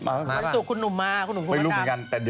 วันสุดคุณหนุ่มมา